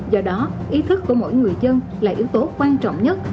do đó ý thức của mỗi người dân là yếu tố quan trọng nhất